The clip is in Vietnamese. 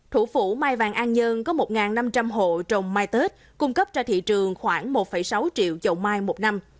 thủ phủ mai vàng an dương có một năm trăm linh hộ trồng mai tết cung cấp cho thị trường khoảng một sáu triệu chậu mai một năm